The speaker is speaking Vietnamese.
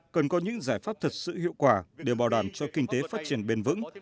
cần có những giải pháp thật sự hiệu quả để bảo đảm cho kinh tế phát triển bền vững